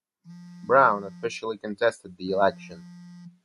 Brown officially contested the election.